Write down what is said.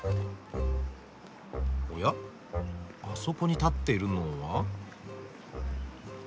おやあそこに立っているのは？